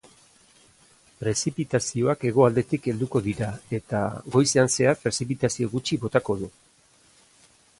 Prezipitazioak hegoaldetik helduko dira eta, goizean zehar prezipitazio gutxi botako du.